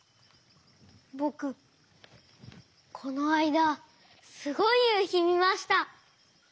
ぼくこのあいだすごいゆうひみました！